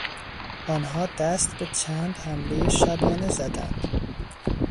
آنها دست به چند حملهی شبانه زدند.